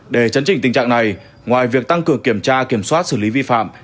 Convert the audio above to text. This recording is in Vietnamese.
để chấn chỉnh tình trạng này ngoài việc tăng cường kiểm tra kiểm soát xử lý vi phạm